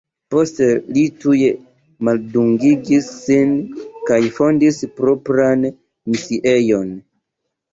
Poste li tuj maldungigis sin kaj fondis propran misiejon.